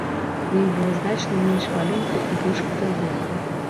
У іх было значна менш малюнкаў і больш фотаздымкаў.